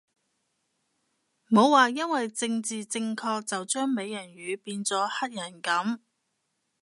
冇話因為政治正確就將美人魚變咗黑人噉